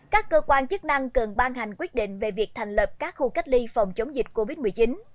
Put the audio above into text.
các cơ quan chức năng cần ban hành quyết định về việc thành lập các khu cách ly phòng chống dịch covid một mươi chín